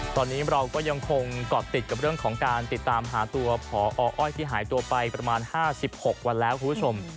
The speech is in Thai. ตอนนี้เราก็ยังคงเกาะติดกับเรื่องของการติดตามหาตัวพออ้อยที่หายตัวไปประมาณ๕๖วันแล้วคุณผู้ชม